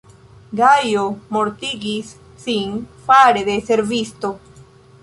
Gajo mortigis sin fare de servisto.